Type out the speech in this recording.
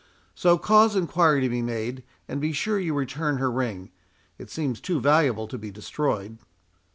So, cause enquiry to be made, and be sure you return her ring. It seems too valuable to be destroyed."